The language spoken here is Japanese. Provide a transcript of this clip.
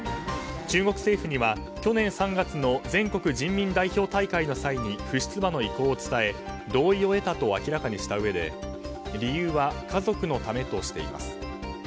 中国政府には去年３月の全国人民代表大会の際に不出馬の意向を伝え同意を得たと明らかにしたうえで理由は家族のためとしています。